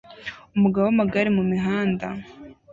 Umugabo wamagare mumihanda